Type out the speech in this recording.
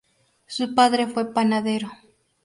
Su padre fue panadero.